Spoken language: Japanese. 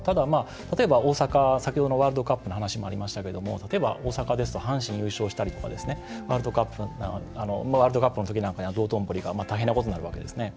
例えば、先ほどのワールドカップの話もありましたけれども例えば、大阪ですと阪神、優勝したりですとかワールドカップの時なんかには道頓堀が大変なことになるわけですね。